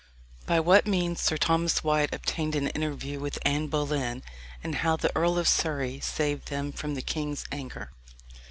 By what means Sir Thomas Wyat obtained an Interview with Anne Boleyn And how the Earl of Surrey saved them from the King's anger.